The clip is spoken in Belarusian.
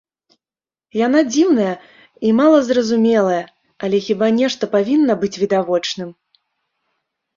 Яна дзіўная і мала зразумелая, але хіба нешта павінна быць відавочным?